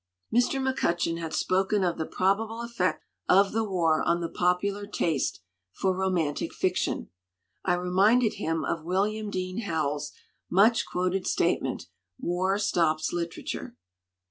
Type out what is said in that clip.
Mr. McCutcheon had spoken of the probable effect of the war on the popular taste for roman tic fiction. I reminded him of William Dean Howells's much quoted statement, "War stops literature."